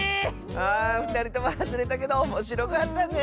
あふたりともはずれたけどおもしろかったね！